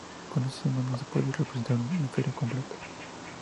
Con este sistema no se puede representar un hemisferio completo.